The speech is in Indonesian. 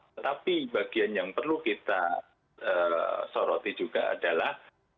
tetapi bagian yang perlu kita soroti juga adalah